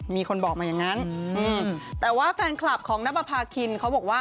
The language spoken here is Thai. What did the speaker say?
มีคนบอกมาอย่างนั้นแต่ว่าแฟนคลับของนับประพาคินเขาบอกว่า